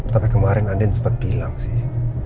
tapi kemarin andien sempet bilang sih